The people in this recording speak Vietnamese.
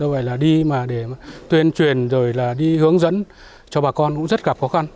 vì hướng dẫn cho bà con cũng rất gặp khó khăn